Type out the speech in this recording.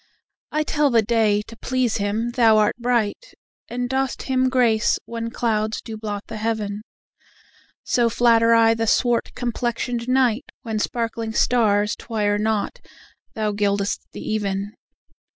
I tell the day, to please him thou art bright, And dost him grace when clouds do blot the heaven: So flatter I the swart complexion'd night, When sparkling stars twire not thou gild'st the even.